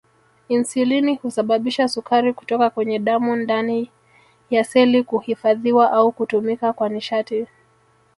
Insulini husababisha sukari kutoka kwenye damu ndani ya seli kuhifadhiwa au kutumika kwa nishati